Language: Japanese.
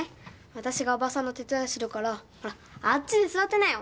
私がおばさんの手伝いするからほらあっちで座ってなよ。